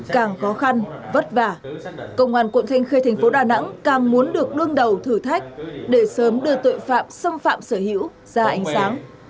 càng khó khăn vất vả công an quận thanh khê thành phố đà nẵng càng muốn được đương đầu thử thách để sớm đưa tội phạm xâm phạm sở hữu ra ánh sáng